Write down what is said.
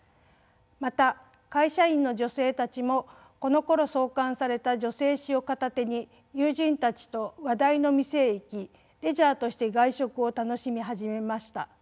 また会社員の女性たちもこのころ創刊された女性誌を片手に友人たちと話題の店へ行きレジャーとして外食を楽しみ始めました。